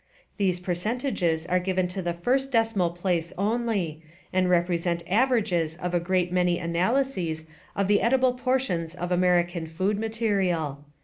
These percentages are given to the first decimal place only, and represent averages of a great many analyses of the edible portions of American food material.